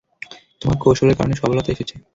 তোমার কৌশলের কারণে সাফলতা এসেছে।